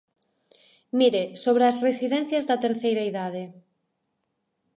Mire, sobre as residencias da terceira idade.